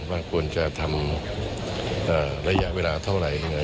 มันควรจะทำระยะเวลาเท่าไหร่